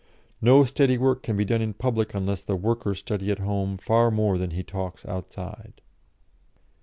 "No steady work can be done in public unless the worker study at home far more than he talks outside."